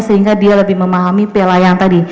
sehingga dia lebih memahami piala yang tadi